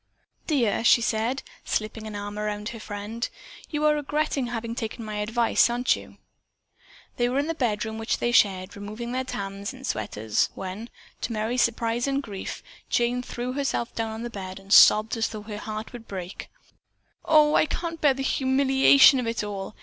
"Dear," she said, slipping an arm about her friend, "you are regretting having taken my advice, aren't you?" They were in the bedroom which they shared, removing their tams and sweaters when, to Merry's surprise and grief, Jane threw herself down on the bed and sobbed as though her heart would break. "Oh, I can't bear the humiliation of it all!